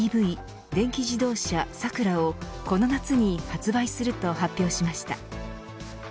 電気自動車ＳＡＫＵＲＡをこの夏に発売すると発表しました。